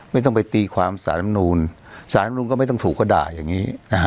ไม่ต้องไปตีความสารมนุนสารมนุนก็ไม่ต้องถูกประด่ายอย่างนี้